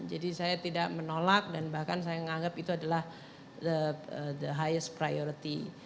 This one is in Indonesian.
jadi saya tidak menolak dan bahkan saya menganggap itu adalah the highest priority